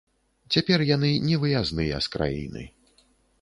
Цяпер яны невыязныя з краіны.